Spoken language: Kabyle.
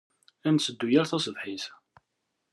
Ad netteddu yal taṣebḥit.